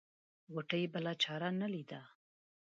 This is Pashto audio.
غوټۍ بله چاره نه ليده.